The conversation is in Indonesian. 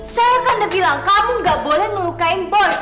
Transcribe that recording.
saya kan udah bilang kamu nggak boleh ngelukain boy